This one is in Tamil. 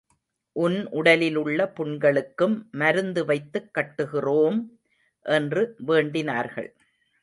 உன் உடலிலுள்ள புண்களுக்கும் மருந்து வைத்துக் கட்டுகிறோம்! என்று வேண்டினார்கள்.